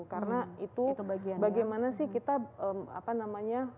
karena itu bagaimana sih kita apa namanya